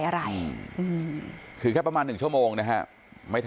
ความผิดพลาดที่เกิดขึ้นทางโรงพยาบาลได้ขอโทษทางญาติของผู้เสียชีวิต